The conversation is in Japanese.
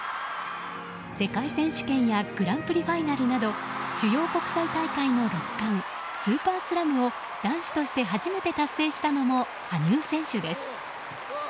世界選手権やグランプリファイナルなど主要国際大会の６冠スーパースラムを男子として初めて達成したのも羽生選手です。